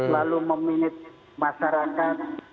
lalu memenit masyarakat